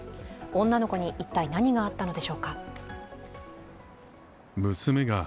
女の子に一体何があったのでしょうか。